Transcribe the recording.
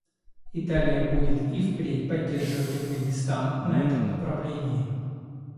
Италия будет и впредь поддерживать Афганистан на этом направлении.